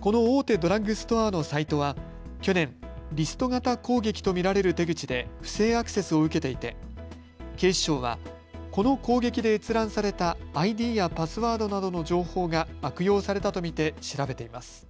この大手ドラッグストアのサイトは去年、リスト型攻撃と見られる手口で不正アクセスを受けていて警視庁はこの攻撃で閲覧されたＩＤやパスワードなどの情報が悪用されたと見て調べています。